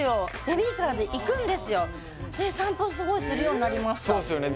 ベビーカーで行くんですよで散歩すごいするようになりましたそうですよね